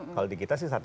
kalau di kita sih santai